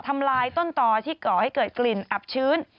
ทำลายต้นต่อที่ก่อให้เกิดกลิ่นอับชื้น